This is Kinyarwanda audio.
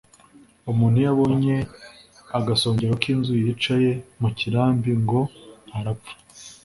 Umuntu iyo abonye agasongero k’inzu yicaye mu kirambi ngo arapfa